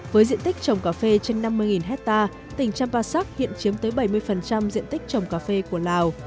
với diện tích trồng cà phê trên năm mươi hectare tỉnh champasak hiện chiếm tới bảy mươi diện tích trồng cà phê của lào